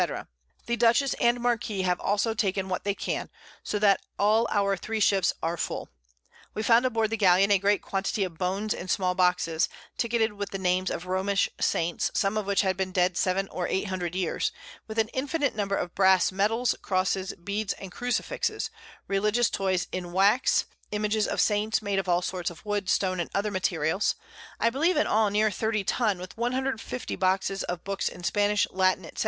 _ The Dutchess and Marquiss have also taken what they can; so that all our 3 Ships are full. We found aboard the Galeon a great Quantity of Bones in small Boxes, ticketed with the Names of Romish Saints, some of which had been dead 7 or 800 Years; with an infinite Number of Brass Medals, Crosses, Beads, and Crucifixes, religious Toys in Wax, Images of Saints made of all sorts of Wood, Stone, and other Materials, I believe in all near 30 Tun, with 150 Boxes of Books in Spanish, Latin, _&c.